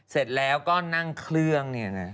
เสร็จแล้วก็นั่งเครื่อง